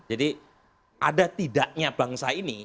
jadi ada tidaknya bangsa ini